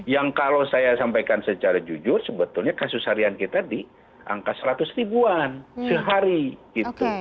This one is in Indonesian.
yang kalau saya sampaikan secara jujur sebetulnya kasus harian kita di angka seratus ribuan sehari gitu